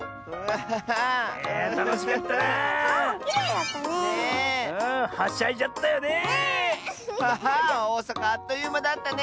ハハーおおさかあっというまだったね！